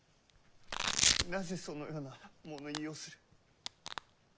なぜそのような物言いをする？